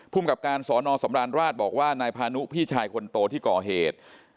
กับการสอนอสำราญราชบอกว่านายพานุพี่ชายคนโตที่ก่อเหตุ